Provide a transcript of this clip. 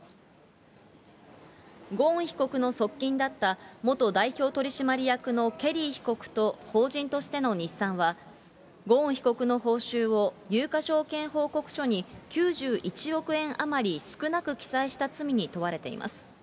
ゴーン被告の側近だった元代表取締役のケリー被告と、法人としての日産は、ゴーン被告の報酬を有価証券報告書に９１億円余り少なく記載した罪に問われています。